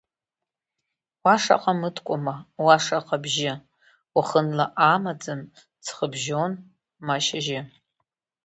Уа шаҟа мыткәма, уа шаҟа бжьы, уахынла амаӡам, ҵхыбжьон, ма шьыжьы.